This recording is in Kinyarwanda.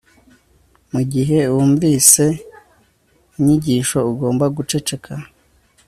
Mugihe wunvise inyigisho ugomba guceceka